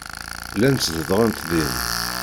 Llant zedɣent din.